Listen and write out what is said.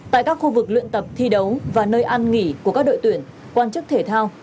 tại các khu vực luyện tập thi đấu và nơi an nghỉ của các đội tuyển quan chức thể thao